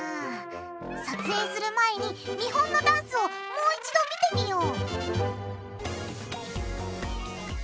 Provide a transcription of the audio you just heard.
撮影する前に見本のダンスをもう一度見てみよう！